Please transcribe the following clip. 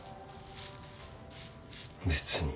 別に。